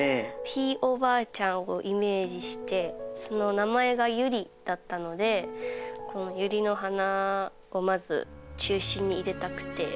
ひいおばあちゃんをイメージしてその名前がユリだったのでこのユリの花をまず中心に入れたくて。